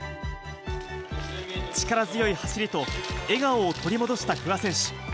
力強い走りと笑顔を取り戻した不破選手。